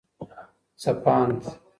ځپاند